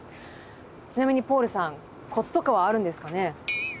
ちなみにポールさんコツとかはあるんですかね？